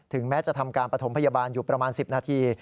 แม้จะทำการปฐมพยาบาลอยู่ประมาณ๑๐นาที